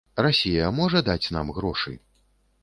Расія можа даць нам грошы?